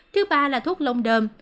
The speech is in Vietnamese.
thứ ba là thuốc lông đơm